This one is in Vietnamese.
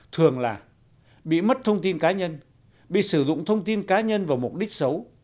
thường là bị mất thông tin cá nhân bị sử dụng thông tin cá nhân vào mục đích xấu